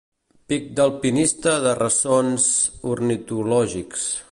Pic d'alpinista de ressons ornitològics.